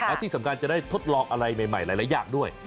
และที่สำคัญจะได้ทดลองอะไรใหม่หลายอย่างด้วย